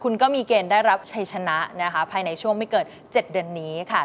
คุณก็มีเกณฑ์ได้รับชัยชนะนะคะภายในช่วงไม่เกิน๗เดือนนี้ค่ะ